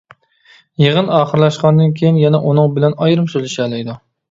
يىغىن ئاخىرلاشقاندىن كېيىن يەنە ئۇنىڭ بىلەن ئايرىم سۆزلىشەلەيدۇ.